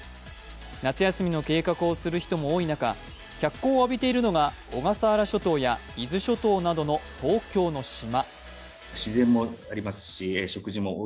夏休みの計画をする人も多い中、脚光を浴びているのが小笠原諸島や伊豆諸島などの東京の島。